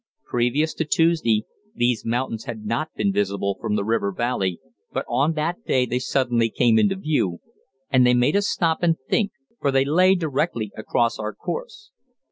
Previous to Tuesday, these mountains had not been visible from the river valley, but on that day they suddenly came into view, and they made us stop and think, for they lay directly across our course.